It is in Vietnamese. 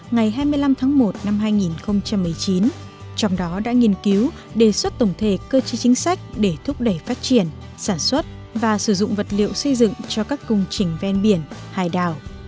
ngày hai mươi năm tháng một năm hai nghìn một mươi chín trong đó đã nghiên cứu đề xuất tổng thể cơ chế chính sách để thúc đẩy phát triển sản xuất và sử dụng vật liệu xây dựng cho các công trình ven biển hải đảo